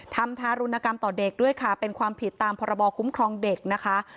ทารุณกรรมต่อเด็กด้วยค่ะเป็นความผิดตามพรบคุ้มครองเด็กนะคะ